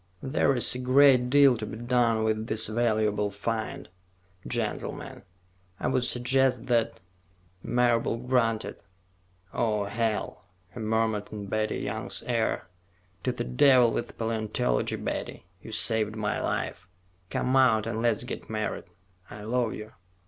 There is a great deal to be done with this valuable find, gentlemen. I would suggest that "Marable grunted. "Oh, hell," he murmured in Betty Young's ear. "To the devil with paleontology, Betty. You saved my life. Come out and let's get married. I love you."